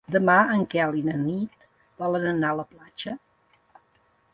Demà en Quel i na Nit volen anar a la platja.